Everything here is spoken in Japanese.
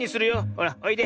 ほらおいで。